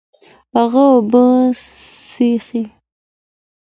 هغه اوبه څښي